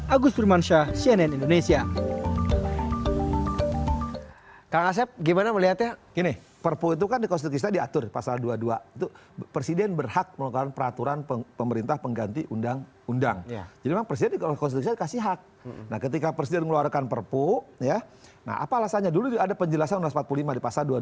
agus turmansyah cnn indonesia